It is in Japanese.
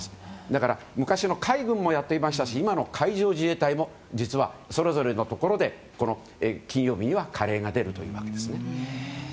だから昔の海軍もやっていましたし今の海上自衛隊も実はそれぞれのところで金曜日にはカレーが出るというわけです。